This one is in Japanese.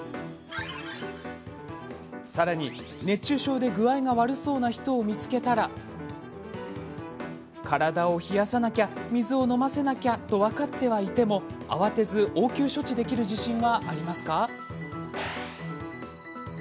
さらに、熱中症で具合が悪そうな人を見つけたら体を冷やさなきゃ水を飲ませなきゃと分かってはいても慌てず応急処置できる自信はありますか？